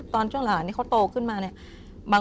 ตอนช่วงหลายนี้เขาโตขึ้นมา